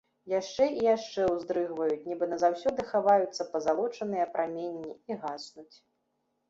Яшчэ і яшчэ ўздрыгваюць, нібы назаўсёды хаваюцца пазалочаныя праменні і гаснуць.